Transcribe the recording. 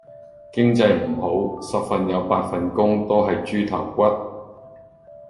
經濟唔好十份有八份工都喺豬頭骨